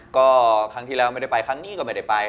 ก็ครั้งที่แล้วไม่ได้ไปครั้งนี้ก็ไม่ได้ไป